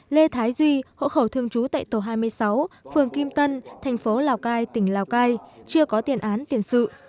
lê thái duy hộ khẩu thường trú tại tổ hai mươi sáu phường kim tân thành phố lào cai tỉnh lào cai chưa có tiến án tiến sự